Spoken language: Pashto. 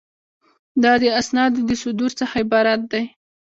دا د اسنادو د صدور څخه عبارت دی.